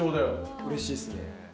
うれしいっすね。